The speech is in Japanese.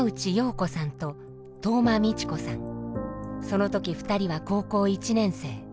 その時２人は高校１年生。